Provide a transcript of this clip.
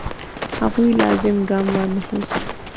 هغوی لازم ګام وانخیست.